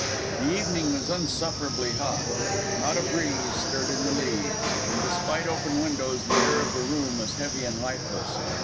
The evening was insufferably hot; not a breeze stirred in the leaves; and despite open windows, the air of the room was heavy and lifeless.